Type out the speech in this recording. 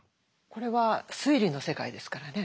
これは推理の世界ですからね。